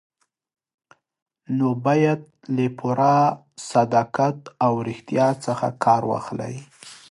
نو باید له پوره صداقت او ریښتیا څخه کار واخلئ.